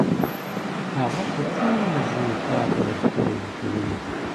هغه خو ټوله ژوند تاته درکړی وو په مينه!